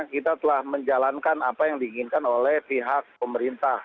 kita telah menjalankan apa yang diinginkan oleh pihak pemerintah